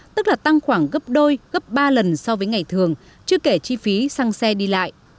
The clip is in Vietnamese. tức là tăng khoảng gấp đôi gấp ba lần so với ngày thường chứ kể chi phí xăng xe đi lại